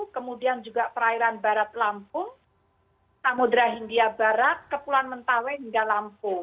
kemudian juga perairan barat lampung samudera hindia barat kepulauan mentawai hingga lampung